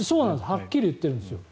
はっきり言ってるんですよ。